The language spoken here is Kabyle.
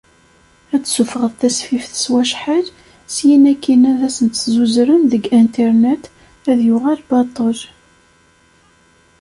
Ad d-ssuffɣeḍ tasfift s wacḥal, syin akin ad asen-tt-suzren deg internet, ad yuɣal baṭel.